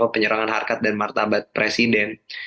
penyerangan harkat dan martabat presiden